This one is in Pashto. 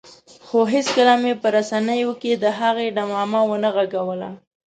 خو هېڅکله مې په رسنیو کې د هغه ډمامه ونه غږوله.